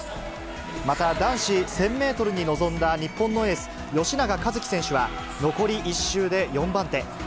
また、男子１０００メートルに臨んだ日本のエース、吉永一貴選手は、残り１周で４番手。